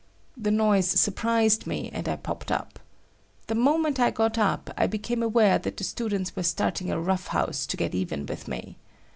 The noise surprised me, and I popped up. The moment I got up I became aware that the students were starting a rough house to get even with me.